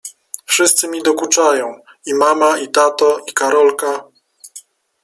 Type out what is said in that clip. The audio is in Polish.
— Wszyscy mi dokuczają: i mama, i tato, i Karolka.